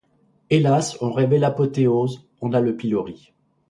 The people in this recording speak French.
Hélas, on rêvait l'apothéose, on a le pilori.